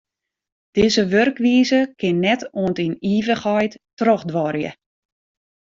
Dizze wurkwize kin net oant yn ivichheid trochduorje.